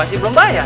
masih belum bayar